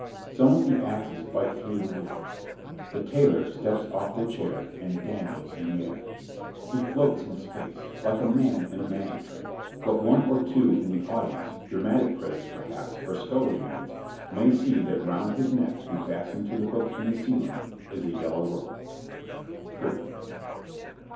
Some of the axes bite through the wood. The Tailor steps off the chair and dangles in the air. He floats in space, like a man in a magic trick, but one or two in the audience, dramatic critics, perhaps, or scullery maids, may see that round his neck and fastened to the hook in the ceiling is a yellow rope._) (_Curtain.